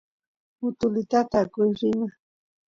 utulitata akush rima